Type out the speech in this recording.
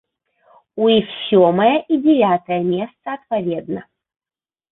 У іх сёмае і дзявятае месца адпаведна.